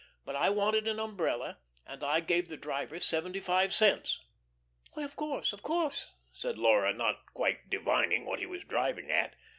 But I wanted an umbrella, and I gave the driver seventy five cents." "Why of course, of course," said Laura, not quite divining what he was driving at.